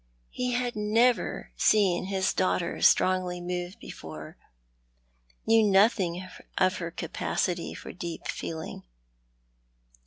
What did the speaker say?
He had never seen his daughter strougly moved before— knew nothing of her capacity for deep feeling.